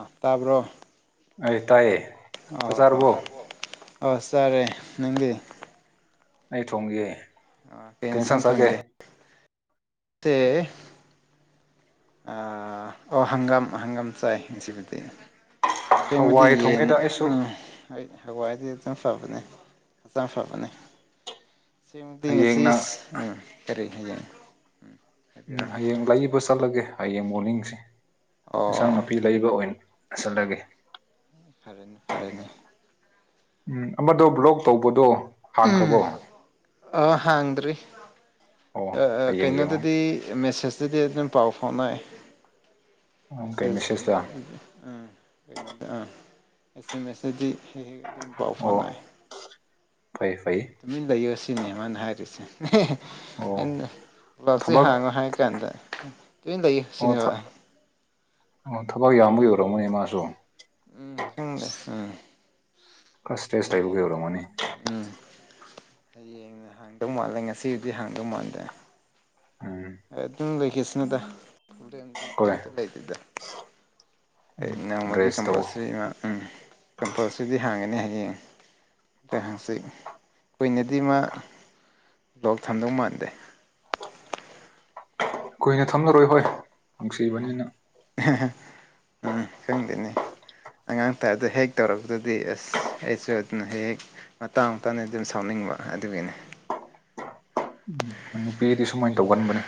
ꯑꯥ ꯇꯥꯕ꯭ꯔꯣ ꯑꯩ ꯇꯥꯏꯌꯦ ꯆꯥꯛ ꯑꯣ ꯆꯥꯔꯕꯣ ꯑꯥ ꯑꯥ ꯆꯥꯔꯦ ꯅꯪꯗꯤ ꯑꯩ ꯊꯣꯡꯏꯒꯦ ꯑꯥ ꯀꯩ ꯑꯦꯟꯁꯥꯡ ꯊꯣꯡꯒꯦ ꯇꯦ ꯑꯥ ꯑꯣ ꯍꯪꯒꯥꯝ ꯍꯪꯒꯥꯝ ꯆꯥꯏ ꯉꯁꯤꯕꯨꯗꯤ ꯑꯁꯦꯡꯕꯗꯤ ꯍꯋꯥꯏ ꯌꯦꯟ ꯊꯣꯡꯉꯦꯗ ꯑꯩꯁꯨ ꯑꯥ ꯑꯩ ꯍꯋꯥꯏꯗꯤ ꯍꯛꯆꯥꯡ ꯐꯥꯕꯅꯦ ꯍꯛꯆꯥꯡ ꯐꯕꯅꯦ ꯑꯁꯦꯡꯕꯗꯤ ꯍꯌꯦꯡꯅ ꯉꯥꯁꯤꯁ ꯎꯝ ꯀꯔꯤ ꯍꯌꯦꯡ ꯎꯝ ꯍꯥꯏꯕꯤꯔꯣ ꯍꯌꯦꯡ ꯂꯩꯕ ꯆꯠꯂꯒꯦ ꯍꯌꯦꯡ ꯃꯣꯔꯅꯤꯡꯁꯦ ꯏꯟꯁꯥꯡ ꯑꯣ ꯅꯥꯄꯤ ꯂꯩꯕ ꯑꯣꯏꯅ ꯆꯠꯂꯒꯦ ꯑꯣ ꯐꯔꯦꯅꯦ ꯐꯔꯦꯅꯦ ꯎꯝ ꯑꯃꯗꯣ ꯕ꯭ꯂꯣꯛ ꯇꯧꯕꯗꯣ ꯎꯝ ꯍꯥꯡꯈ꯭ꯔꯕꯣ ꯑꯥ ꯍꯥꯡꯗ꯭ꯔꯤ ꯑꯣ ꯑꯥ ꯑꯥ ꯍꯌꯦꯡ ꯀꯩꯅꯣꯗꯨꯗꯤ ꯌꯦꯡꯉꯣ ꯃꯦꯁꯦꯁ ꯑꯗꯨꯗꯤ ꯑꯗꯨꯝ ꯄꯥꯎ ꯐꯥꯎꯅꯩ ꯀꯩ ꯃꯦꯁꯦꯖ ꯃꯦꯁꯦꯖꯇ ꯎꯝ ꯀꯩꯅꯣꯗ ꯑꯥ ꯑꯦꯁꯦꯃꯦꯁꯗꯗꯤ ꯍꯦꯛ ꯍꯦꯛ ꯑꯗꯨꯝ ꯄꯥꯎ ꯑꯣ ꯐꯥꯎꯅꯩ ꯐꯩ ꯐꯩ ꯇꯨꯃꯤꯟ ꯂꯩꯌꯣ ꯁꯤꯅꯤ ꯃꯥꯅ ꯍꯥꯏꯔꯤꯁꯦ ꯍꯦꯍꯦ ꯑꯣ ꯒ꯭ꯂꯧꯇꯔ ꯊꯕꯛ ꯍꯥꯡꯉꯨ ꯍꯥꯏ ꯀꯥꯟꯗ ꯇꯨꯃꯤꯟ ꯂꯩꯌꯨ ꯑꯣ ꯊꯥ ꯁꯤꯅꯦꯕ ꯑꯣ ꯊꯕꯛ ꯌꯥꯝꯕꯒꯤ ꯑꯣꯏꯔꯝꯒꯅꯤ ꯃꯥꯁꯨ ꯎꯝ ꯈꯪꯗꯦ ꯎꯝ ꯈꯔꯥ ꯏꯁꯇ꯭ꯔꯦꯁ ꯂꯩꯕꯒꯤ ꯍꯌꯦꯡ ꯑꯣꯏꯔꯝꯒꯅꯤ ꯎꯝ ꯍꯌꯦꯡꯅ ꯍꯥꯡꯗꯧ ꯃꯥꯜꯂꯦ ꯉꯁꯤꯒꯤꯗꯤ ꯍꯥꯡꯗꯧ ꯃꯥꯥꯟꯗꯦ ꯎꯝ ꯑꯦ ꯑꯗꯨꯝ ꯂꯩꯈꯤꯁꯅꯨꯗ ꯍꯨꯔꯦꯟ ꯕꯤꯠꯀꯥ ꯍꯣꯏ ꯑꯝꯇꯥ ꯂꯩꯇꯦꯗ ꯎꯝ ꯅꯣꯡꯃꯒꯤ ꯔꯦꯁ ꯇꯧ ꯀꯝꯄꯜꯁꯔꯤ ꯃꯥ ꯎꯝ ꯀꯝꯄꯜꯁꯔꯤꯗꯤ ꯍꯥꯡꯒꯅꯤ ꯍꯌꯦꯡ ꯇꯥ ꯍꯥꯡꯆꯤꯠ ꯀꯨꯏꯅꯗꯤ ꯃꯥ ꯕ꯭ꯂꯣꯛ ꯊꯝꯗꯧ ꯃꯥꯟꯗꯦ ꯀꯨꯏꯅ ꯊꯝꯂꯔꯣꯏ ꯍꯣꯏ ꯎꯝ ꯅꯨꯡꯁꯤꯕꯅꯤꯅ ꯎꯝ ꯈꯪꯗꯦꯅꯦ ꯑꯉꯥꯡ ꯇꯥꯏꯞꯗ ꯍꯦꯛ ꯇꯧꯔꯛꯄꯗꯨꯗꯤ ꯑꯁ ꯑꯁ ꯑꯩꯁꯨ ꯑꯗꯨꯅ ꯍꯦꯛ ꯍꯦꯛ ꯃꯇꯥꯡ ꯃꯇꯥꯡꯅ ꯑꯗꯨꯝ ꯁꯥꯎꯅꯤꯡꯕ ꯑꯗꯨꯒꯤꯅꯤ ꯎꯝ ꯃꯣꯏ ꯅꯨꯄꯤꯗꯤ ꯁꯨꯃꯥꯏꯟ ꯇꯧꯒꯟꯕꯅꯤ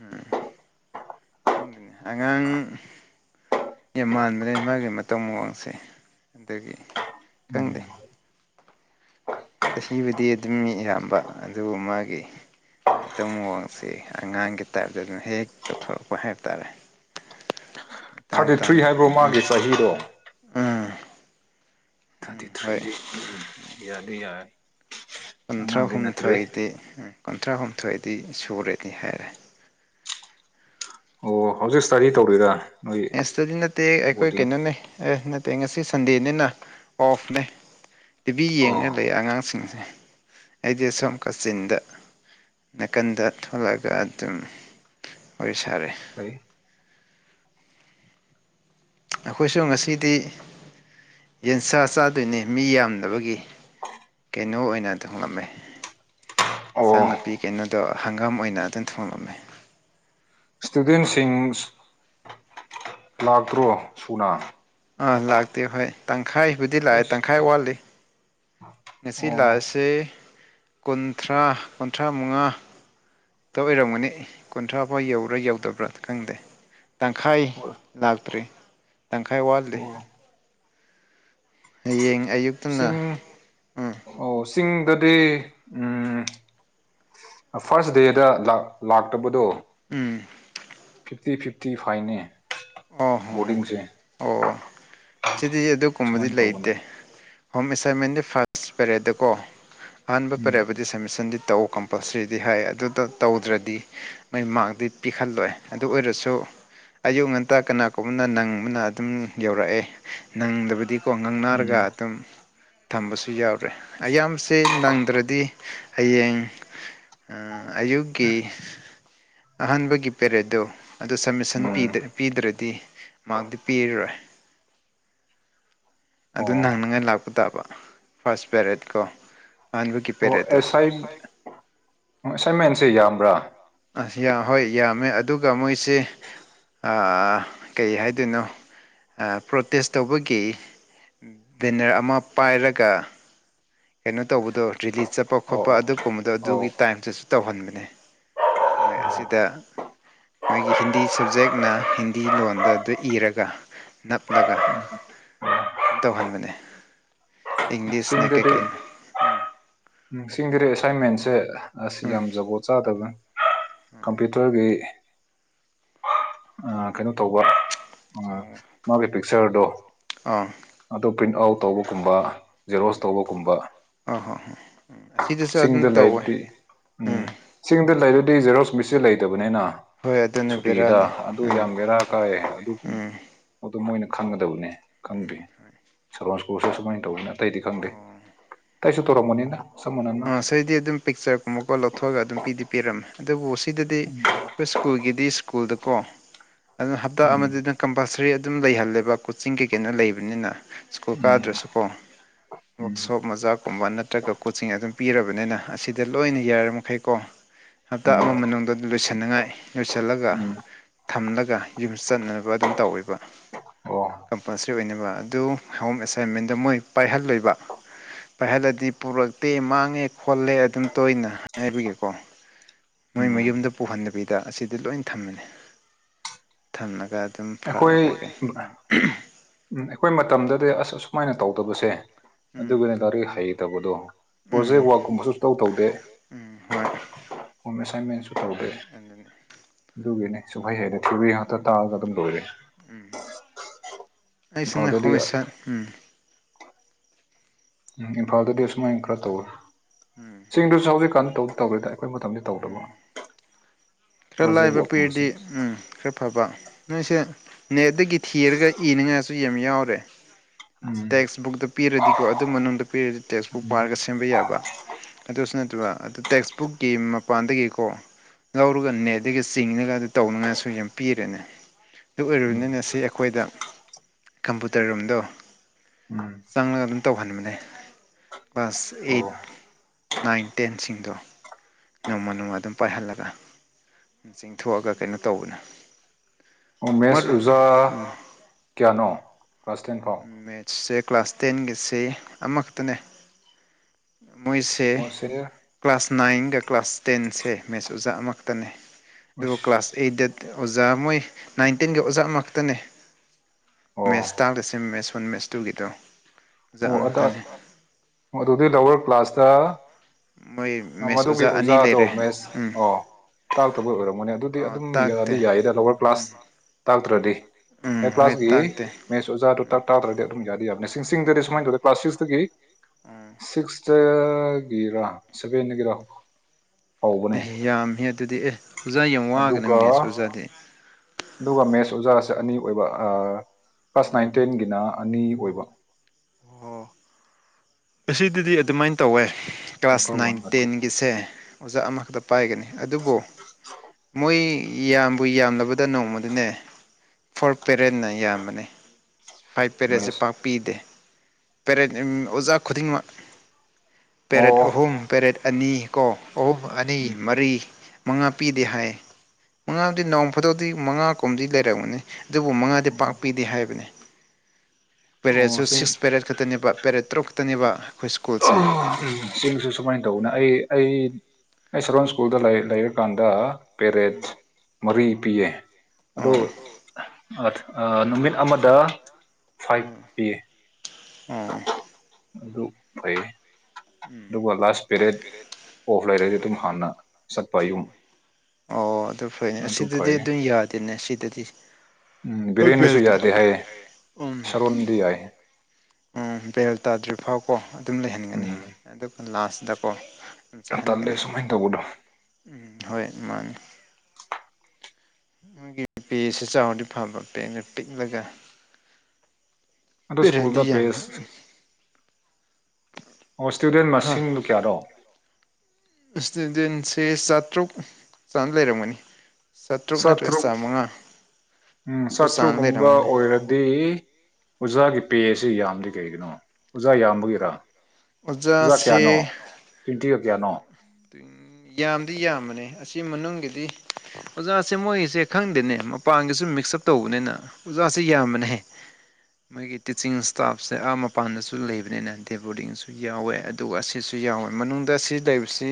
ꯎꯝ ꯈꯪꯗꯦꯅꯦ ꯑꯉꯥꯡ ꯌꯥꯝ ꯃꯥꯟꯕꯅꯦ ꯃꯥꯒꯤ ꯃꯇꯧ ꯃꯑꯣꯡꯁꯦ ꯑꯗꯨꯒꯤ ꯈꯪꯗꯦ ꯎꯝ ꯆꯍꯤꯕꯨꯗꯤ ꯑꯗꯨꯝ ꯃꯤ ꯏꯌꯥꯝꯕ ꯑꯗꯨꯕꯨ ꯃꯥꯒꯤ ꯃꯇꯧ ꯃꯑꯣꯡꯁꯤ ꯑꯉꯥꯡꯒꯤ ꯇꯥꯏꯞꯇꯥ ꯑꯗꯨꯅ ꯍꯦꯛ ꯍꯦꯛ ꯇꯧꯊꯣꯔꯛꯄ ꯍꯥꯏꯕ ꯇꯥꯔꯦ ꯃꯇꯥꯡ ꯊꯥꯔꯇꯤ ꯊ꯭ꯔꯤ ꯃꯇꯥꯡꯗ ꯍꯥꯏꯕ꯭ꯔꯣ ꯎꯝ ꯃꯥꯒꯤ ꯆꯍꯤꯗꯣ ꯎꯝ ꯇꯤ ꯎꯝ ꯍꯣꯏ ꯊ꯭ꯔꯤꯗꯤ ꯌꯥꯗꯤ ꯌꯥꯔꯦ ꯀꯨꯟꯊ꯭ꯔꯥꯍꯨꯝꯊꯣꯏꯗꯤ ꯀꯨꯟꯊ꯭ꯔꯥꯍꯨꯝꯊꯣꯏꯗꯤ ꯁꯨꯔꯦꯅꯤ ꯍꯥꯏꯔꯦ ꯑꯣ ꯍꯧꯖꯤꯛ ꯁ꯭ꯇꯥꯗꯤ ꯇꯧꯔꯤꯔꯥ ꯅꯣꯏ ꯑꯦꯁꯇꯥꯗꯤ ꯅꯠꯇꯦ ꯑꯩꯈꯣꯏ ꯕꯣꯔꯗꯤꯡ ꯀꯩꯅꯣꯅꯦ ꯑꯦ ꯅꯠꯇꯦ ꯉꯁꯤ ꯁꯟꯗꯦꯅꯤꯅ ꯑꯣꯐꯅꯦ ꯇꯤꯚꯤ ꯌꯦꯡꯉꯒ ꯑꯣ ꯂꯩ ꯑꯉꯥꯡꯁꯤꯡꯁꯦ ꯑꯩꯗꯤ ꯑꯁꯣꯝ ꯀꯥꯆꯤꯟꯗ ꯅꯥꯀꯟꯗ ꯊꯣꯛꯂꯛꯒ ꯑꯗꯨꯝ ꯋꯥꯔꯤ ꯁꯥꯔꯦ ꯐꯩ ꯑꯈꯣꯏꯁꯨ ꯉꯁꯤꯗꯤ ꯌꯦꯟꯁꯥ ꯆꯥꯗꯣꯏꯅꯤ ꯃꯤ ꯌꯥꯝꯗꯕꯒꯤ ꯀꯩꯅꯣ ꯑꯣꯏꯅ ꯊꯣꯡꯉꯝꯃꯦ ꯑꯣ ꯏꯟꯁꯥꯡ ꯅꯥꯄꯤ ꯀꯩꯅꯣꯗꯣ ꯍꯪꯒꯥꯝ ꯑꯣꯏꯅ ꯑꯗꯨꯝ ꯊꯣꯡꯉꯝꯃꯦ ꯁ꯭ꯇꯨꯗꯦꯟꯇꯁꯤꯡ ꯂꯥꯛꯇ꯭ꯔꯣ ꯁꯨꯅꯥ ꯑꯥ ꯂꯥꯛꯇꯦ ꯍꯣꯏ ꯇꯪꯈꯥꯏꯕꯨꯗꯤ ꯂꯥꯛꯑꯦ ꯍꯁ ꯇꯪꯈꯥꯏ ꯋꯥꯠꯂꯤ ꯉꯁꯤ ꯑꯣ ꯂꯥꯛꯑꯥꯁꯦ ꯀꯨꯟꯊ꯭ꯔꯥ ꯀꯨꯟꯊ꯭ꯔꯥ ꯃꯉꯥ ꯇꯥ ꯑꯣꯏꯔꯝꯒꯅꯤ ꯀꯨꯟꯊ꯭ꯔꯥ ꯐꯥꯎ ꯌꯧꯔꯥ ꯌꯧꯗꯕ꯭ꯔꯥ ꯈꯪꯗꯦ ꯇꯪꯈꯥꯏ ꯍꯣꯏ ꯂꯥꯛꯇ꯭ꯔꯤ ꯇꯪꯈꯥꯏ ꯋꯥꯠꯂꯤ ꯑꯣ ꯍꯌꯦꯡ ꯑꯌꯨꯛ ꯆꯤꯡ ꯑꯣ ꯆꯤꯡꯗꯗꯤ ꯎꯝ ꯐꯥꯔꯁ ꯗꯦꯗ ꯂꯥꯛ ꯂꯥꯛꯇꯕꯗꯣ ꯎꯝ ꯐꯤꯞꯇꯤ ꯐꯤꯞꯇꯤ ꯐꯥꯏꯟꯅꯦ ꯑꯣꯍꯣ ꯍꯣ ꯑꯣ ꯁꯤꯗꯤ ꯑꯗꯨꯒꯨꯝꯕꯗꯤ ꯁꯨꯃꯥꯏꯅ ꯂꯩꯇꯦ ꯇꯧꯕꯅꯦ ꯍꯣꯝ ꯑꯦꯁꯥꯏꯟꯃꯦꯟꯗꯤ ꯐꯥꯔꯁ ꯄꯦꯔꯦꯗꯀꯣ ꯑꯍꯥꯟꯕ ꯎꯝ ꯄꯔꯦꯕꯨꯗꯤ ꯁꯞꯃꯤꯁꯟꯗꯤ ꯇꯧ ꯀꯝ ꯄꯜꯁꯔꯤꯗꯤ ꯍꯥꯏ ꯑꯗꯨꯗ ꯇꯧꯗ꯭ꯔꯥꯗꯤ ꯅꯣꯏ ꯃꯥꯔꯛꯇꯤ ꯄꯤꯈꯜꯂꯣꯏ ꯑꯗꯨ ꯑꯣꯏꯔꯁꯨ ꯑꯌꯨꯛ ꯉꯟꯇꯥ ꯀꯅꯥꯒꯨꯝꯕꯅ ꯅꯪꯕꯅ ꯑꯗꯨꯝ ꯌꯧꯔꯛꯑꯦ ꯅꯪꯗꯕꯗꯤ ꯀꯣ ꯎꯝ ꯉꯥꯡꯅꯔꯒ ꯑꯗꯨꯝ ꯊꯝꯕꯁꯨ ꯌꯥꯎꯔꯦ ꯑꯌꯥꯝꯕꯁꯦ ꯅꯪꯗ꯭ꯔꯥꯗꯤ ꯍꯌꯦꯡ ꯑꯥ ꯑꯌꯨꯛꯒꯤ ꯑꯍꯥꯟꯕꯒꯤ ꯄꯦꯔꯦꯠꯗꯣ ꯑꯗꯨ ꯁꯥꯃꯤꯁꯟ ꯎꯝ ꯄꯤꯗ꯭ꯔꯦ ꯇ꯭ꯔꯥꯗꯤ ꯃꯔꯛꯗꯤ ꯄꯤꯔꯔꯣꯏ ꯑꯗꯨ ꯑꯣ ꯅꯪꯅꯉꯥꯏ ꯂꯥꯛꯄ ꯇꯥꯕ ꯐꯥꯔꯁ ꯄꯦꯔꯦꯠ ꯀꯣ ꯑꯍꯥꯟꯕꯒꯤ ꯑꯣ ꯄꯦꯔꯦꯠꯇꯣ ꯑꯦꯁꯥꯏ ꯑꯦꯁꯥꯏꯃꯦꯟꯁꯦ ꯌꯥꯝꯕ꯭ꯔꯥ ꯑꯁ ꯌꯥ ꯍꯣꯏ ꯌꯥꯝꯃꯦ ꯑꯗꯨꯒ ꯃꯣꯏꯁꯦ ꯑꯥ ꯀꯩ ꯍꯥꯏꯗꯣꯏꯅꯣ ꯑꯥ ꯄ꯭ꯔꯣꯇꯦꯁ ꯇꯧꯕꯒꯤ ꯚꯦꯟꯅꯔ ꯑꯃ ꯄꯥꯏꯔꯒ ꯀꯩꯅꯣ ꯇꯧꯕꯗꯣ ꯔꯤꯂꯤ ꯆꯠꯄ ꯑꯣ ꯈꯣꯠꯄ ꯑꯗꯨꯒꯨꯝꯕꯗꯣ ꯑꯗꯨꯒꯤ ꯑꯣ ꯇꯥꯏꯞꯇꯁꯨ ꯇꯧꯍꯟꯕꯅꯦ ꯃꯣꯏ ꯑꯁꯤꯗ ꯃꯣꯏꯒꯤ ꯍꯤꯟꯗꯤ ꯁꯕꯖꯦꯛꯅ ꯍꯤꯟꯗꯤ ꯂꯣꯟꯗ ꯑꯗꯨ ꯏꯔꯒ ꯅꯞꯂꯒ ꯇꯧꯍꯟꯕꯅꯦ ꯏꯪꯂꯤꯁꯅ ꯗꯨꯗꯤ ꯀꯩꯀꯩꯅꯣ ꯎꯝ ꯅꯤꯡꯁꯤꯡꯗꯔꯦ ꯑꯦꯁꯥꯏꯃꯦꯟꯁꯦ ꯑꯁ ꯌꯥꯝ ꯖꯨꯒꯣꯠ ꯆꯥꯗꯕ ꯀꯝꯄꯤꯌꯨꯇꯔꯒꯤ ꯑꯥ ꯀꯩꯅꯣ ꯇꯧꯕ ꯑꯥ ꯎꯝ ꯃꯥꯒꯤ ꯄꯤꯛꯆꯔꯗꯣ ꯑꯣ ꯑꯗꯣ ꯄꯔꯤꯟ ꯑꯥꯎꯠ ꯇꯧꯕꯒꯨꯝꯕ ꯖꯦꯔꯣꯁ ꯇꯧꯕꯒꯨꯝꯕ ꯑꯣ ꯍꯣ ꯍꯣ ꯎꯝ ꯑꯁꯤꯗꯁꯨ ꯑꯗꯨꯝ ꯆꯤꯡꯗ ꯇꯧꯋꯦ ꯂꯩꯕꯇꯤ ꯎꯝ ꯆꯤꯡꯗ ꯂꯩꯔꯗꯤ ꯖꯦꯔꯣꯛꯁ ꯃꯤꯆꯤꯟ ꯂꯩꯇꯕꯅꯦꯅ ꯍꯣꯏ ꯑꯗꯨꯅ ꯁꯨꯇꯤꯗ ꯕꯦꯔꯥꯅꯤ ꯑꯗꯨ ꯎꯝ ꯌꯥꯝ ꯕꯦꯔꯥ ꯀꯥꯏꯌꯦ ꯑꯗꯨꯒꯨꯝꯕ ꯎꯝ ꯑꯗꯨ ꯃꯣꯏꯅ ꯈꯪꯒꯗꯕꯅꯦ ꯈꯪꯗꯦ ꯁꯂꯨꯋꯥꯜ ꯁ꯭ꯀꯨꯜ ꯁꯦ ꯁꯨꯃꯥꯏ ꯇꯧꯋꯦꯅ ꯆꯞ ꯃꯥꯟꯅꯅ ꯑꯣ ꯑꯁꯩꯗꯤ ꯑꯗꯨꯝ ꯄꯤꯛꯆꯔꯒꯨꯝꯕꯀꯣ ꯂꯧꯊꯣꯛꯑꯒ ꯑꯗꯨꯝ ꯄꯤꯗꯤ ꯄꯤꯔꯝꯃꯦ ꯑꯗꯨꯕꯨ ꯁꯤꯗꯗꯤ ꯎꯝ ꯀꯨꯁ ꯀꯨꯜꯒꯤꯗꯤ ꯁ꯭ꯀꯨꯜꯗꯀꯣ ꯑꯗꯨꯅ ꯍꯞꯇꯥ ꯎꯝ ꯑꯃꯗꯤꯅ ꯀꯝꯄꯜꯁꯔꯤ ꯑꯗꯨꯝ ꯂꯩꯍꯜꯂꯦꯕ ꯀꯣꯆꯤꯡ ꯀꯩꯀꯩꯅꯣ ꯂꯩꯕꯅꯤꯅ ꯁ꯭ꯀꯨꯜ ꯀꯥꯗ꯭ꯔꯁꯨꯀꯣ ꯎꯝ ꯋꯥꯛꯁꯣꯞ ꯃꯖꯥꯛꯀꯨꯝꯕ ꯅꯠꯇ꯭ꯔꯒ ꯀꯣꯆꯤꯡ ꯑꯗꯨꯝ ꯄꯤꯔꯕꯅꯤꯅ ꯑꯁꯤꯗ ꯂꯣꯏꯅ ꯌꯥꯔꯤꯃꯈꯩꯀꯣ [unintelligible] ꯍꯞꯇꯥ ꯑꯃ ꯃꯅꯨꯡꯗ ꯂꯣꯏꯁꯟꯅꯉꯥꯏ ꯂꯣꯏꯁꯜꯂꯒ ꯎꯝ ꯊꯝꯂꯒ ꯌꯨꯝ ꯆꯠꯅꯕ ꯑꯗꯨꯝ ꯇꯧꯋꯦꯕ ꯑꯣ ꯀꯝꯄꯜꯁꯔꯤ ꯑꯣꯏꯅꯕ ꯑꯗꯨ ꯍꯣꯝ ꯑꯦꯁꯥꯏꯟꯃꯦꯟꯗ ꯃꯣꯏ ꯄꯥꯏꯍꯜꯂꯦꯕ ꯄꯥꯏꯍꯜꯂꯗꯤ ꯄꯨꯔꯛꯇꯦ ꯃꯥꯡꯉꯦ ꯈꯣꯠꯂꯦ ꯑꯗꯨꯝ ꯇꯣꯏꯅ ꯍꯥꯏꯕꯒꯤꯀꯣ ꯃꯣꯏ ꯎꯝ ꯃꯌꯨꯝꯗ ꯄꯨꯍꯟꯗꯕꯤꯗ ꯑꯁꯤꯗꯤ ꯂꯣꯏꯟ ꯊꯝꯃꯤꯅꯦ ꯊꯝꯅꯒ ꯑꯗꯨꯝ ꯐꯔꯦ ꯀꯩ ꯀꯩ ꯎꯝ ꯎꯝ ꯑꯩꯈꯣꯏ ꯃꯇꯝꯗꯗꯤ ꯑꯁ ꯑꯁꯨꯃꯥꯏꯅ ꯇꯧꯗꯕꯁꯦ ꯎꯝ ꯑꯗꯨꯒꯅꯦ ꯂꯥꯏꯔꯤꯛ ꯍꯩꯇꯕꯗꯣ ꯄ꯭ꯔꯣꯖꯦꯛ ꯎꯝ ꯋꯥꯔꯛꯀꯨꯝꯕꯁꯨ ꯁꯨꯇꯧ ꯇꯧꯗꯦ ꯎꯝ ꯍꯣꯏ ꯍꯣꯝ ꯑꯦꯁꯥꯏꯃꯦꯟꯁꯨ ꯇꯧꯗꯦ ꯅꯪꯅꯅꯦ ꯑꯗꯨꯒꯤꯅꯦ ꯁꯨꯛꯍꯩ ꯍꯩꯩꯔ ꯊꯤꯌꯣꯔꯤ ꯉꯥꯛꯇ ꯇꯥꯕꯗ ꯑꯗꯨꯝ ꯂꯣꯏꯔꯦ ꯎꯝ ꯑꯩꯁꯨꯅ ꯏꯝꯐꯥꯜꯗꯗꯤ ꯍꯣꯝꯑꯦꯁꯥꯏ ꯎꯝ ꯎꯝ ꯏꯝꯐꯥꯜꯗꯗꯤ ꯑꯁꯨꯃꯥꯏ ꯈꯔ ꯇꯧꯔꯦ ꯎꯝ ꯆꯦꯡꯗꯨꯁꯨ ꯍꯧꯖꯤꯀꯟ ꯇꯧ ꯇꯧꯒ꯭ꯔꯦꯗ ꯑꯩꯈꯣꯏ ꯃꯇꯝꯗꯤ ꯇꯧꯗꯕ ꯇꯥ ꯄ꯭ꯔꯣꯖꯦꯛ ꯂꯥꯏꯕ ꯋꯥꯔꯛꯀꯨꯝꯕꯁꯦ ꯄꯤꯔꯗꯤ ꯎꯝ ꯈꯔ ꯐꯕ ꯅꯣꯏꯁꯤꯅ ꯅꯦꯠꯇꯒꯤ ꯊꯤꯔꯒ ꯏꯅꯤꯡꯉꯥꯏꯁꯨ ꯌꯥꯝ ꯌꯥꯎꯔꯦ ꯎꯝ ꯇꯦꯛꯁ ꯕꯨꯛꯇ ꯄꯤꯔꯗꯤꯀꯣ ꯑꯗꯨ ꯃꯅꯨꯡꯗ ꯄꯤꯔꯗꯤ ꯇꯦꯛꯁꯕꯨꯛ ꯎꯝ ꯄꯥꯔꯒ ꯁꯦ ꯁꯦꯝꯕ ꯌꯥꯕ ꯑꯗꯨꯁꯨ ꯅꯠꯇ꯭ꯔꯕ ꯑꯗꯨ ꯇꯦꯛꯁꯕꯨꯛꯀꯤ ꯃꯄꯥꯟꯗꯒꯤꯀꯣ ꯗꯨꯒ ꯅꯦꯠꯇꯒꯤ ꯆꯤꯡꯉꯒ ꯑꯗꯨ ꯇꯧꯅꯉꯥꯏꯁꯨ ꯌꯥꯝ ꯄꯤꯔꯦꯅꯦ ꯑꯗꯨꯒ ꯎꯝ ꯔꯨꯏꯅꯅꯤꯁꯤ ꯑꯛ ꯈꯣꯏꯗ ꯀꯝꯄꯨꯇꯔ ꯔꯨꯝꯗꯣ ꯎꯝ ꯆꯪꯉ ꯑꯗꯨꯝ ꯇꯧꯍꯟꯕꯅꯦ ꯀ꯭ꯂꯥꯁ ꯑꯦꯠ ꯑꯣ ꯅꯥꯏꯟ ꯇꯦꯟꯁꯤꯡꯗꯣ ꯅꯣꯡꯃ ꯅꯨꯡꯉ ꯑꯗꯨꯝ ꯄꯥꯏꯍꯜꯂꯒ ꯆꯤꯡꯊꯣꯛꯑꯒ ꯀꯩꯅꯣ ꯇꯧꯕꯅꯦ ꯑꯣ ꯃꯦꯁ ꯃꯔ ꯎꯖꯥ ꯀ꯭ꯌꯥꯅꯣ ꯀ꯭ꯂꯥꯁ ꯇꯦꯟ ꯐꯥꯎ ꯃꯦꯠꯁꯁꯦ ꯀ꯭ꯂꯥꯁ ꯇꯦꯟꯒꯤꯁꯦ ꯑꯃ ꯈꯠꯇꯅꯦ ꯃꯣꯏꯁꯦ ꯑꯣ ꯁꯦꯅꯤꯌꯔ ꯀ꯭ꯂꯥꯁ ꯅꯥꯏꯟꯒ ꯀ꯭ꯂꯥꯁ ꯇꯦꯟꯁꯦ ꯃꯦꯠꯁ ꯎꯖꯥ ꯑꯃ ꯈꯇꯅꯦ ꯑꯗꯨꯒ ꯑꯁ ꯀ꯭ꯂꯥꯁ ꯐꯦ ꯗꯦꯠ ꯑꯣꯖꯥ ꯃꯣꯏ ꯅꯥꯏꯟꯇꯤꯟꯒꯤ ꯑꯣꯖꯥ ꯑꯃ ꯑꯃ ꯈꯇꯅꯦ ꯑꯣ ꯃꯦꯠꯁ ꯇꯥꯛꯂ ꯃꯦꯁ ꯋꯥꯟ ꯃꯦꯁ ꯇꯨꯒꯤꯗꯣ ꯑꯣꯖꯥ ꯑꯣ ꯑꯗ ꯑꯃꯈꯛꯇꯅꯦ ꯑꯗꯨꯗꯤ ꯂꯋꯔ ꯀ꯭ꯂꯥꯁꯇ ꯃꯣꯏ ꯑ ꯃꯦꯠꯁ ꯃꯗꯨꯒꯤ ꯑꯣꯖꯥ ꯑꯅꯤ ꯑꯣꯖꯥꯗꯣ ꯂꯩꯔꯦ ꯃꯦꯁ ꯎꯝ ꯑꯣ ꯇꯥꯛꯇꯕꯩ ꯑꯣꯏꯔꯝꯒꯅꯦ ꯑꯗꯨꯗꯤ ꯑꯣ ꯑꯗꯨꯝ ꯇꯥꯛꯇꯦ ꯌꯥꯗꯤ ꯌꯥꯏꯌꯦꯗ ꯂꯋꯔ ꯎꯝ ꯀ꯭ꯂꯥꯁ ꯇꯥꯛꯇ꯭ꯔꯗꯤ ꯑꯦ ꯎꯝ ꯍꯣꯏ ꯀ꯭ꯂꯥꯁꯒꯤ ꯇꯥꯛꯇꯦ ꯃꯦꯠꯁ ꯑꯣꯖꯥꯗꯨ ꯇꯥꯛ ꯇꯥꯛꯇ꯭ꯔꯗꯤ ꯑꯗꯨꯝ ꯌꯥꯗꯤ ꯌꯥꯕꯅꯦ ꯁꯤꯡꯁꯤꯡꯗꯗꯤ ꯀ꯭ꯂꯥꯁ ꯁꯤꯛꯁꯇꯒꯤ ꯎꯝ ꯁꯤꯛꯁꯇꯒꯤꯔ ꯁꯚꯦꯟꯗꯒꯤꯔ ꯍꯧꯕꯅꯦ ꯑꯦꯍꯦ ꯌꯥꯝꯍꯦ ꯑꯗꯨꯗꯤ ꯑꯦ ꯑꯣꯖꯥ ꯌꯥꯝ ꯋꯥꯒꯅꯦ ꯃꯦꯁ ꯑꯣꯖꯥꯗꯤ ꯗꯨꯒ ꯃꯦꯠꯁ ꯑꯣꯖꯥꯁꯦ ꯑꯅꯤ ꯑꯣꯏꯕ ꯑ ꯀ꯭ꯂꯥꯁ ꯅꯥꯏꯟ ꯎꯝ ꯇꯦꯟꯒꯤꯅ ꯑꯅꯤ ꯑꯣꯏꯕ ꯑꯣ ꯑꯁꯤꯗꯗꯤ ꯑꯗꯨꯃꯥꯏꯟ ꯇꯧꯋꯦ ꯀ꯭ꯂꯥꯁ ꯄꯦꯄꯔ ꯅꯥꯏꯟ ꯋꯥꯟꯒ ꯇꯨ ꯇꯦꯟ ꯒꯤꯁꯦ ꯑꯣꯖꯥ ꯑꯃꯈꯛꯇ ꯄꯥꯏꯒꯅꯤ ꯑꯗꯨꯕꯨ ꯃꯣꯏ ꯌꯥꯝꯕꯨ ꯌꯥꯝꯂꯕꯗ ꯅꯣꯡꯃꯗꯅꯦ ꯐꯣꯔ ꯄꯦꯔꯦꯟꯅ ꯌꯥꯝꯕꯅꯤ ꯐꯥꯏꯞ ꯄꯦꯔꯦꯠꯁꯦ ꯃꯦꯠꯁ ꯄꯥꯛ ꯄꯤꯗꯦ ꯄꯦꯔꯠ ꯏꯝ ꯑꯣꯖꯥ ꯈꯨꯗꯤꯡꯃꯛ ꯄꯦꯔꯠ ꯑꯣ ꯑꯍꯨꯝ ꯄꯦꯔꯠ ꯑꯅꯤ ꯀꯣ ꯑꯍꯨꯝ ꯑꯅꯤ ꯎꯝ ꯃꯔꯤ ꯃꯉꯥ ꯄꯤꯗꯦ ꯍꯥꯏ ꯃꯉꯥꯗꯤ ꯅꯣꯡ ꯐꯗꯣꯛꯗꯤ ꯃꯉꯥ ꯀꯨꯝꯗꯤ ꯂꯩꯔꯝꯒꯅꯤ ꯑꯗꯨꯕꯨ ꯃꯉꯥꯗꯤ ꯎꯝ ꯄꯥꯛ ꯄꯤꯗꯦ ꯍꯥꯏꯕꯅꯤ ꯑꯣ ꯄꯦꯔꯠꯁꯨ ꯆꯤꯡ ꯁꯤꯛꯁ ꯄꯦꯔꯠ ꯈꯛꯇꯅꯦꯕ ꯄꯦꯔꯠ ꯇꯔꯨ꯭ꯛ ꯈꯛꯇꯅꯦꯕ ꯑꯣ ꯁ꯭ꯀꯨꯜꯁꯦ ꯎꯝ ꯆꯤꯡꯁꯨ ꯁꯨꯃꯥꯏ ꯇꯧꯕꯅ ꯑꯩ ꯑꯩ ꯑꯩ ꯁꯣꯔꯣꯟ ꯁ꯭ꯀꯨꯜꯗ ꯂꯩꯔꯀꯥꯟꯗ ꯄꯦꯔꯦꯠ ꯎꯝ ꯃꯔꯤ ꯄꯤꯌꯦ ꯑꯗꯣ ꯑꯣ ꯑ ꯑ ꯑ ꯅꯨꯃꯤꯠ ꯑꯃꯗ ꯐꯥꯏꯚ ꯄꯤꯌꯦ ꯑ ꯑꯗꯨ ꯐꯩꯌꯦ ꯎꯝ ꯑꯗꯨꯒ ꯂꯥꯁ ꯄꯦꯔꯠ ꯑꯣꯐ ꯂꯩꯔꯒ ꯑꯗꯨꯝ ꯍꯥꯟꯅ ꯆꯠꯄ ꯌꯨꯝ ꯑꯣ ꯑꯗꯨ ꯐꯩꯅꯦ ꯑꯁꯤꯗꯗꯤ ꯑꯗꯨ ꯌꯥꯗꯦꯅꯦ ꯁꯤꯗꯗꯤ ꯎꯝ ꯕꯤꯔꯦꯟꯅꯁꯨ ꯌꯥꯗꯦ ꯍꯥꯏꯌꯦ ꯁꯔꯣꯟꯗꯤ ꯌꯥꯏ ꯍꯥꯏ ꯎꯝ ꯕꯦꯜ ꯇꯥꯗ꯭ꯔꯤ ꯐꯥꯎꯀꯣ ꯑꯗꯨꯝ ꯎꯝ ꯂꯩꯍꯟꯒꯅꯤ ꯑꯗꯨꯒ ꯂꯥꯁꯗꯀꯣ ꯌꯥꯝ ꯇꯜꯂꯦ ꯁꯨꯃꯥꯏꯟ ꯇꯧꯕꯗꯨ ꯎꯝ ꯍꯣꯏ ꯃꯥꯅꯤ ꯃꯣꯏꯒꯤ ꯄꯦꯁꯤ ꯆꯥꯎꯔꯗꯤ ꯐꯕ ꯄꯦꯅ ꯄꯤꯛꯂꯒ ꯑꯗꯨ ꯄꯦꯔꯗꯤ ꯁ꯭ꯀꯨꯜꯗ ꯌꯥꯝꯅ ꯄ꯭ꯔꯦꯁ ꯑꯣ ꯁ꯭ꯇꯨꯗꯦꯟ ꯍꯥ ꯃꯁꯤꯡꯗꯨ ꯀꯌꯥꯔꯣ ꯏꯁꯇꯨꯗꯦꯟꯁꯦ ꯆꯥꯇ꯭ꯔꯨꯛ ꯆꯥꯡ ꯂꯩꯔꯝꯒꯅꯤ ꯅꯠꯇ꯭ꯔꯒ ꯆꯥꯇ꯭ꯔꯨꯛ ꯆꯥꯃꯉꯥ ꯎꯝ ꯑꯗꯨ ꯆꯥꯡ ꯆꯥꯇ꯭ꯔꯨꯛꯒꯨꯝꯕ ꯂꯩꯔꯝꯒꯅꯤ ꯑꯣꯏꯔ ꯗꯤ ꯑꯣꯖꯥꯒꯤ ꯄꯦꯁꯤ ꯌꯥꯝꯗꯦ ꯀꯩꯒꯤꯅꯣ ꯑꯣꯖꯥ ꯌꯥꯝꯕꯒꯤꯔꯥ ꯑꯣꯖꯥ ꯑꯣꯖꯥꯁꯦ ꯀ꯭ꯌꯥꯅꯣ ꯇ꯭ꯋꯦꯟꯇꯤꯒ ꯀ꯭ꯌꯥꯅꯣ ꯌꯥꯝꯗꯤ ꯌꯥꯝꯕꯅꯦ ꯑꯁꯤ ꯃꯅꯨꯡꯒꯤꯗꯤ ꯑꯣꯖꯥꯁꯦ ꯃꯣꯏꯁꯦ ꯈꯪꯗꯦꯅꯦ ꯃꯄꯥꯟꯒꯤꯁꯨ ꯃꯤꯛꯁ ꯑꯞ ꯇꯧꯕꯅꯤꯅ ꯑꯣꯖꯥꯁꯦ ꯌꯥꯝꯕꯅꯦꯍꯦ ꯃꯣꯏꯒꯤ ꯇꯤꯆꯤꯡ ꯏꯁꯇꯥꯐꯁꯦ ꯑꯥ ꯃꯄꯥꯟꯗꯁꯨ ꯂꯩꯕꯅꯤꯅ ꯗꯦ ꯕꯣꯔꯗꯤꯡꯁꯨ ꯌꯥꯎꯋꯦ ꯑꯗꯨꯒ ꯑꯁꯤꯁꯨ ꯌꯥꯎꯋꯦ ꯃꯅꯨꯡꯗ ꯑꯁꯤ ꯂꯩꯕ ꯁꯤ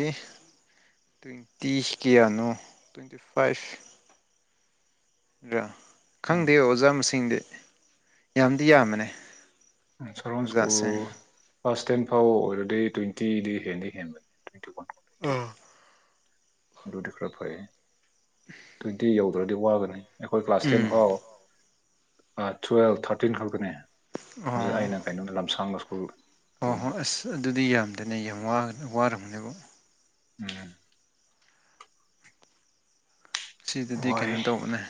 ꯇ꯭ꯋꯦꯟꯇꯤ ꯀꯌꯥꯅꯣ ꯇ꯭ꯋꯦꯟꯇꯤ ꯐꯥꯏꯚ ꯑ ꯎꯝ ꯈꯪꯗꯦ ꯑꯣꯖꯥ ꯃꯁꯤꯡꯗꯤ ꯌꯥꯝꯗꯤ ꯌꯥꯝꯕꯅꯦ ꯎꯝ ꯁ‌ꯣꯔ‌ꯣꯟ ꯁ꯭ꯀꯨꯜ ꯑꯣꯖꯥꯁꯦ ꯀ꯭ꯂꯥꯁ ꯇꯦꯟ ꯐꯥꯎ ꯑꯣꯏꯔꯗꯤ ꯇ꯭ꯋꯦꯟꯇꯤꯗꯤ ꯍꯦꯟꯗꯤ ꯍꯦꯟꯕꯅꯤ ꯇ꯭ꯋꯦꯟꯇꯤ ꯋꯥꯟ ꯑꯣ ꯑꯗꯨꯗꯤ ꯈꯔ ꯐꯩ ꯇ꯭ꯋꯦꯟꯇꯤ ꯌꯧꯗ꯭ꯔꯗꯤ ꯋꯥꯒꯅꯤ ꯑꯩꯈꯣꯏ ꯀ꯭ꯂꯥꯁ ꯇꯦꯟ ꯎꯝ ꯐꯥꯎ ꯑꯥ ꯇꯨꯋꯦꯜꯐ ꯊꯥꯔꯇꯤꯟ ꯈꯛꯇꯅꯦ ꯍꯧꯖꯤꯛ ꯑꯩꯅ ꯀꯩꯅꯣꯗ ꯂꯝꯁꯥꯡ ꯂ ꯁ꯭ꯀꯨꯜ ꯍꯣ ꯎꯝ ꯍꯣꯏ ꯑꯁ ꯑꯗꯨꯗꯤ ꯌꯥꯝꯗ‌ꯦꯅꯦ ꯌꯥꯝ ꯋꯥꯒ ꯋꯥꯔꯝꯅꯦꯕ‌ꯣ ꯎꯝ ꯁꯤꯗꯗꯤ ꯀꯩꯅꯣ ꯋꯥꯏ ꯇꯧꯕꯅꯦ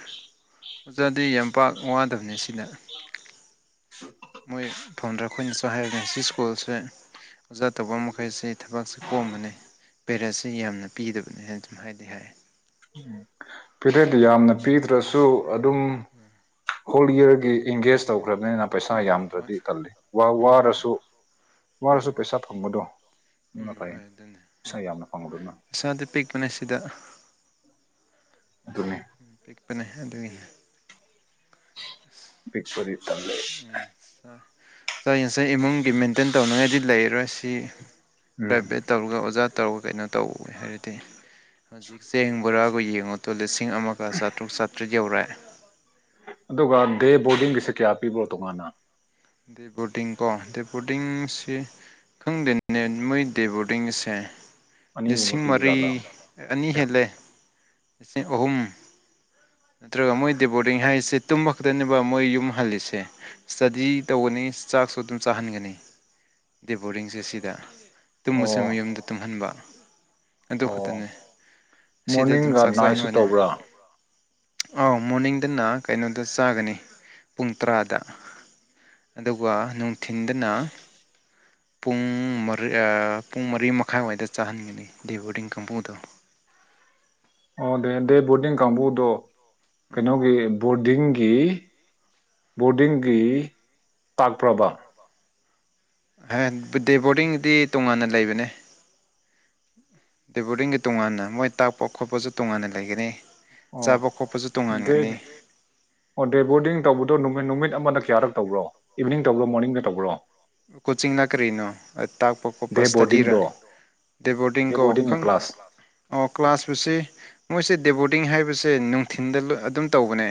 ꯑꯣꯖꯥꯗꯤ ꯌꯥꯝ ꯄꯥꯛ ꯋꯥꯗꯕꯅꯦ ꯁꯤꯅ ꯃꯣꯏ ꯐꯥꯖꯟꯗ꯭ꯔ ꯑꯩꯈꯣꯏꯅꯁꯨ ꯍꯥꯏꯕꯅꯦ ꯁꯤ ꯁ꯭ꯀꯨꯜꯁꯦ ꯑꯣꯖꯥ ꯇꯧꯕ ꯃꯈꯩꯁꯤ ꯊꯕꯛꯁꯦ ꯀꯣꯝꯕꯅꯦ ꯄꯦꯔꯦꯠꯁꯤ ꯌꯥꯝꯅ ꯄꯤꯗꯕꯅꯦ ꯍꯥꯏꯅ ꯑꯗꯨꯝ ꯍꯥꯏꯗꯤ ꯍꯥꯏ ꯎꯝ ꯄ‌ꯦꯔꯠ ꯌꯥꯝꯅ ꯄꯤꯗ꯭ꯔꯁꯨ ꯑꯗꯨꯝ ꯍꯣꯜ ꯏꯌꯔꯒꯤ ꯑꯦꯡꯒꯦꯖ ꯇꯧꯈ꯭ꯔꯕꯅꯤꯅ ꯄꯩꯁꯥ ꯎꯝ ꯍꯣꯏ ꯌꯥꯝꯗ꯭ꯔꯗꯤ ꯇꯜꯂꯤ ꯋꯥ ꯎꯝ ꯍꯣꯏ ꯋꯥꯔꯁꯨ ꯎꯝ ꯋꯥꯔꯁꯨ ꯄꯩꯁꯥ ꯐꯪꯕꯗꯣ ꯑꯗꯨꯅ ꯎꯝ ꯐꯥꯏ ꯍꯣꯏ ꯑꯗꯨꯅꯦ ꯄꯩꯁꯥ ꯎꯝ ꯌꯥꯝꯅ ꯐꯪꯕꯗꯨꯅ ꯏꯁꯥꯗꯤ ꯄꯤꯛꯄꯅꯦ ꯁꯤꯗ ꯑꯗꯨꯅ‌ꯦ ꯄꯤꯛꯄꯅꯦ ꯑꯗꯨꯒꯤ ꯄꯤꯛꯄꯗꯤ ꯇꯜꯂ‌ꯦ ꯁ ꯉꯁꯥꯏ ꯏꯃꯨꯡꯒꯤ ꯃꯦꯟꯇꯦꯟ ꯇꯧꯅꯤꯡꯉꯥꯏꯗꯤ ꯂꯩꯔꯣꯏ ꯁꯤ ꯎꯝ ꯄ꯭ꯔꯥꯏꯚꯦꯠ ꯇꯧꯔꯒ ꯑꯣꯖꯥ ꯇꯧꯔꯒ ꯀꯩꯅꯣ ꯇꯧ ꯍꯥꯏꯔꯗꯤ ꯍꯧꯖꯤꯛ ꯆꯦꯡ ꯕꯣꯔꯥꯕꯨ ꯌꯦꯡꯉ‌ꯣ ꯇꯣ ꯂꯤꯁꯤꯡ ꯑꯃꯒ ꯆꯥꯇ꯭ꯔꯨꯛ ꯆꯥꯇ꯭ꯔꯦꯠ ꯌꯧꯔꯦ ꯑꯗꯨꯒ ꯗꯦ ꯕꯣꯔꯗꯤꯡꯒꯤꯁꯦ ꯀꯌꯥ ꯄꯤꯕ꯭ꯔꯣ ꯇꯣꯉꯥꯟꯅ ꯗꯦ ꯕꯣꯔꯗꯤꯡ ꯀꯣ ꯗꯦ ꯕꯣꯔꯗꯤꯡꯁꯤ ꯈꯪꯗꯦꯅꯦ ꯃꯣꯏ ꯗꯦꯕꯣꯔꯗꯤꯡ ꯁꯦ ꯑꯅꯤꯒꯨꯝꯕ ꯂꯤꯁꯤꯡ ꯃꯔꯤ ꯄꯤꯕꯖꯥꯠꯂꯥ ꯑꯅꯤ ꯍꯦꯜꯂꯦ ꯂꯤꯁꯤꯡ ꯑꯍꯨꯝ ꯅꯠꯇ꯭ꯔꯒ ꯃꯣꯏ ꯗ‌ꯦꯕꯣꯔꯗꯤꯡ ꯍꯥꯏꯔꯤꯁꯦ ꯇꯨꯝ ꯈꯛꯇꯅꯦꯕ ꯃꯣꯏ ꯌꯨꯝ ꯍꯜꯂꯤꯁꯦ ꯁ꯭ꯇꯗꯤ ꯇꯧꯒꯅꯤ ꯆꯥꯛꯁꯨ ꯑꯗꯨꯝ ꯆꯥꯍꯟꯒꯅꯤ ꯗ‌ꯦꯕꯣꯔꯗꯤꯡꯁꯦ ꯁꯤꯗ ꯑꯣ ꯇꯨꯝꯕꯁꯨ ꯃꯌꯨꯝꯗ ꯇꯨꯝꯍꯟꯕ ꯑꯗꯨ ꯑꯣ ꯈꯛꯇꯅꯦ ꯑꯁꯤꯗ ꯑꯗꯨꯝ ꯃꯣꯔꯅꯤꯡꯒ ꯆꯥꯛ ꯅꯥꯏꯠꯁꯨ ꯆꯥꯍꯟꯕꯅꯦ ꯇꯧꯕ꯭ꯔꯥ ꯑꯧ ꯃꯣꯔꯅꯤꯡꯗꯅ ꯀꯩꯅꯣꯗ ꯆꯥꯒꯅꯤ ꯄꯨꯡ ꯇꯔꯥꯗ ꯑꯗꯨꯒ ꯅꯨꯡꯊꯤꯟꯗꯅ ꯄꯨꯡ ꯃꯔꯤ ꯑꯥ ꯄꯨꯡ ꯃꯔꯤ ꯃꯈꯥꯏꯋꯥꯏꯗ ꯆꯥꯍꯟꯒꯅꯤ ꯗ‌ꯦ ꯕꯣꯔꯗꯤꯡ ꯀꯥꯡꯕꯨꯗꯣ ꯑꯣ ꯗ‌ꯦ ꯗ‌ꯦ ꯕꯣꯔꯗꯤꯡ ꯀꯥꯡꯕꯨꯗꯣ ꯎꯝ ꯀꯩꯅꯣꯒꯤ ꯕꯣꯔꯗꯤꯡꯒꯤ ꯕꯣꯔꯗꯤꯡꯒꯤ ꯇꯥꯛꯄ꯭ꯔꯕ ꯍ‌ꯦꯟ ꯗꯦ ꯕꯣꯔꯗꯤꯡꯒꯤꯗꯤ ꯇꯣꯉꯥꯟꯅ ꯂꯩꯕꯅꯦ ꯗꯦꯕꯣꯔꯤꯡꯒꯤ ꯇꯣꯉꯥꯟꯅ ꯃꯣꯏ ꯇꯥꯛꯄ ꯈꯣꯠꯄꯁꯨ ꯇꯣꯉꯥꯟꯅ ꯂꯩꯒꯅꯤ ꯑꯣ ꯆꯥꯕ ꯈꯣꯠꯄꯁꯨ ꯗꯦ ꯇꯣꯡꯉꯥꯟꯒꯅꯤ ꯑꯣ ꯗꯦ ꯕꯣꯔꯗꯤꯡ ꯇꯧꯕꯗꯣ ꯅꯨꯃꯤꯠ ꯅꯨꯃꯤꯠ ꯑꯃꯗ ꯀꯌꯥꯔꯛ ꯇꯧꯕ꯭ꯔꯣ ꯏꯚꯅꯤꯡ ꯇꯧꯕ꯭ꯔꯣ ꯃꯣꯔꯅꯤꯡꯗ ꯇꯧꯕ꯭ꯔꯣ ꯀꯣꯆꯤꯡꯅ ꯀꯔꯤꯅꯣ ꯑꯥ ꯇꯥꯛꯄ ꯈꯣꯠꯄ ꯗꯦ ꯏꯁ꯭ꯇꯗꯤꯔꯥ ꯕꯣꯔꯗꯤꯡꯗꯣ ꯗ‌ꯦꯕꯣꯔꯗꯤꯡ ꯗꯦ ꯀ‌ꯣ ꯕꯣꯔꯗꯤꯡꯒꯤ ꯈꯪ ꯀ꯭ꯂꯥꯁ ꯑꯣ ꯀ꯭ꯂꯥꯁꯄꯨꯁꯤ ꯃꯣꯏꯁꯦ ꯗꯦꯕꯣꯔꯗꯤꯡ ꯍꯥꯏꯕꯁꯦ ꯅꯨꯡꯊꯤꯟꯗ ꯑꯗꯨꯝ ꯇꯧꯕꯅꯦ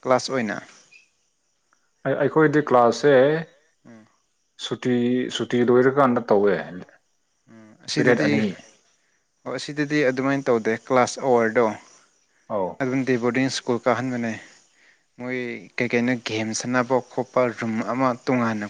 ꯀ꯭ꯂꯥꯁ ꯑꯣꯏꯅ ꯑꯩ ꯑꯩꯈꯣꯏꯗꯤ ꯀ꯭ꯂꯥꯁꯁꯦ ꯎꯝ ꯁꯨꯇꯤ ꯁꯨꯇꯤ ꯂꯣꯏꯔꯀꯥꯟꯗ ꯇꯧꯋꯦ ꯎꯝ ꯄꯦꯔꯦꯠ ꯑꯁꯤꯗꯗꯤ ꯑꯅꯤ ꯑꯣ ꯑꯁꯤꯗꯗꯤ ꯑꯗꯨꯃꯥꯏꯟ ꯇꯧꯗꯦ ꯀ꯭ꯂꯥꯁ ꯑꯋꯥꯔꯗꯣ ꯑꯧ [unintelligible] ꯗꯦ ꯕꯣꯔꯗꯤꯡ ꯁ꯭ꯀꯨꯜ ꯀꯥꯍꯟ ꯕꯅꯦ ꯃꯣꯏ ꯀꯩꯀꯩꯅꯣ ꯒꯦꯝ ꯁꯥꯟꯅꯕ ꯈꯣꯠꯄ ꯔꯨꯝ ꯑꯃ ꯇꯣꯉꯥꯟꯅ